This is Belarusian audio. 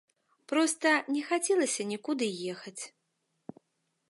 Проста не хацелася нікуды ехаць.